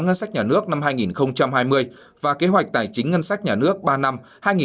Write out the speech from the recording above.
ngân sách nhà nước năm hai nghìn hai mươi và kế hoạch tài chính ngân sách nhà nước ba năm hai nghìn hai mươi một hai nghìn hai mươi